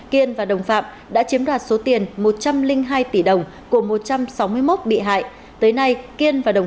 kiên và đồng phạm đã chiếm đoạt số tiền một trăm linh hai tỷ đồng của một trăm sáu mươi một bị hại tới nay kiên và đồng